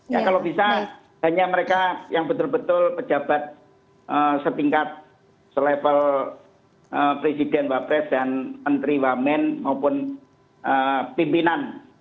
ya kalau bisa hanya mereka yang betul betul pejabat setingkat selevel presiden wapres dan menteri wamen maupun pimpinan